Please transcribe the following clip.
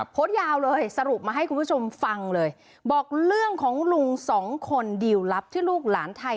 โพสต์ยาวเลยสรุปมาให้คุณผู้ชมฟังเลยบอกเรื่องของลุงสองคนดีลลับที่ลูกหลานไทย